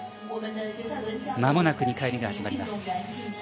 間もなく２回目が始まります。